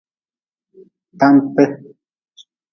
Tante.